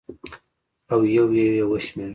او یو یو یې وشمېره